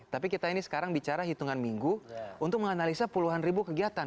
tapi kita ini sekarang bicara hitungan minggu untuk menganalisa puluhan ribu kegiatan